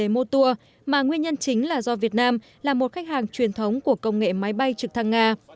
mua tour mà nguyên nhân chính là do việt nam là một khách hàng truyền thống của công nghệ máy bay trực thăng nga